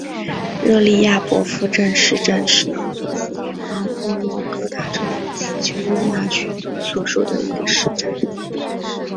热利亚博夫镇市镇是俄罗斯联邦沃洛格达州乌斯秋日纳区所属的一个市镇。